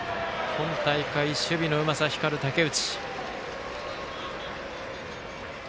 今大会、守備のうまさ光る竹内。